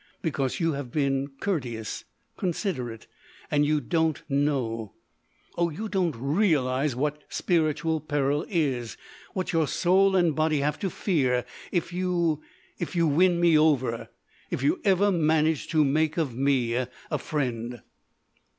"Because you have been courteous—considerate—and you don't know—oh, you don't realise what spiritual peril is!—What your soul and body have to fear if you—if you win me over—if you ever manage to make of me a friend!"